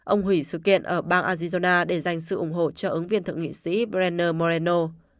ông hủy sự kiện ở bang arizona để giành sự ủng hộ cho ứng viên thượng nghị sĩ brenner moreno